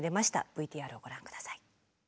ＶＴＲをご覧下さい。